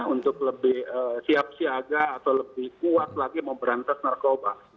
untuk lebih siap siaga atau lebih kuat lagi mau berantas narkoba